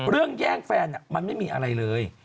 เรื่องแย่งแฟนมันไม่มีอะไรเลย